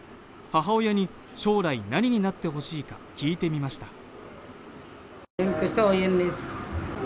母親に将来何になってほしいか聞いてみました